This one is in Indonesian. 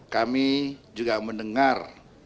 kami juga mendengar